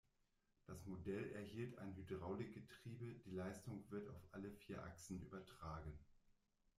Das Modell erhielt ein Hydraulik-Getriebe, die Leistung wird auf alle vier Achsen übertragen.